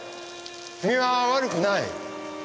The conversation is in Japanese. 君は悪くない。